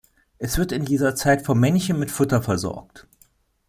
Es wird in dieser Zeit vom Männchen mit Futter versorgt.